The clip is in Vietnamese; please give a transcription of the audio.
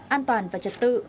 an toàn và trật tự